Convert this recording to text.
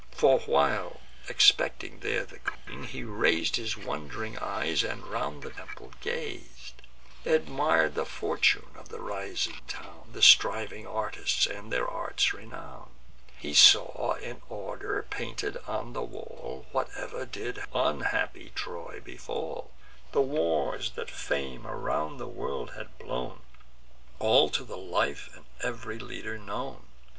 For while, expecting there the queen, he rais'd His wond'ring eyes, and round the temple gaz'd, Admir'd the fortune of the rising town, The striving artists, and their arts' renown; He saw, in order painted on the wall, Whatever did unhappy Troy befall: The wars that fame around the world had blown, All to the life, and ev'ry leader known.